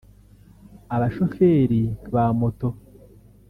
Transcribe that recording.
abashoferi ba moto